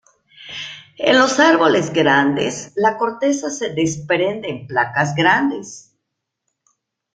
En los árboles grandes la corteza se desprende en placas grandes.